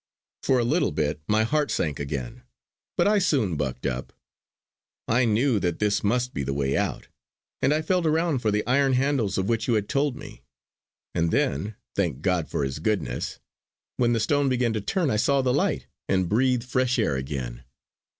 For a little bit my heart sank again; but I soon bucked up. I knew that this must be the way out; and I felt around for the iron handles of which you had told me. And then, Thank God for His goodness! when the stone began to turn I saw the light, and breathed fresh air again.